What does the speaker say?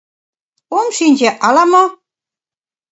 Ом шинче, ала-мо...